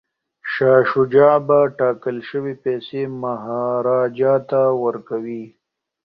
شاه شجاع به ټاکل شوې پیسې مهاراجا ته ورکوي.